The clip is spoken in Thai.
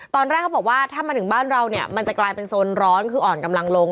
ตอนแรกเขาบอกว่าถ้ามาถึงบ้านเราเนี่ยมันจะกลายเป็นโซนร้อนคืออ่อนกำลังลง